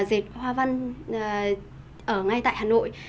dệt hoa văn ở ngay tại hà nội